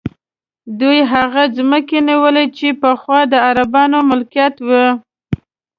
دوی هغه ځمکې نیولي چې پخوا د عربانو ملکیت وې.